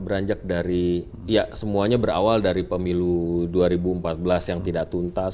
beranjak dari ya semuanya berawal dari pemilu dua ribu empat belas yang tidak tuntas